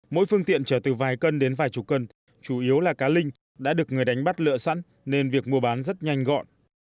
mỗi phương tiện chở từ vài cân đến vài chục cân chủ yếu là cá linh đã được người đánh bắt lựa sẵn nên việc mua bán rất nhanh gọn